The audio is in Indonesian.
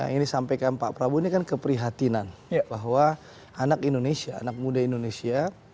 yang disampaikan pak prabowo ini kan keprihatinan bahwa anak indonesia anak muda indonesia